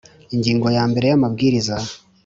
Ingingo Ya Mbere Y Amabwiriza